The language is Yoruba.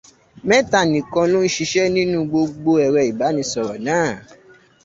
Mẹ́ta nìkan ló ń ṣiṣẹ́ nínú gbogbo ẹ̀rọ ìbánisọ̀rọ̀ náà.